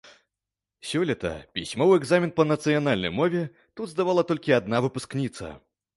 Сёлета пісьмовы экзамен па нацыянальнай мове тут здавала толькі адна выпускніца.